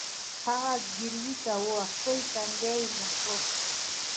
هغه زګیروی کاوه او خپل تندی یې مښه